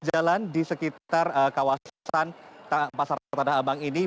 jalan di sekitar kawasan pasar tanah abang ini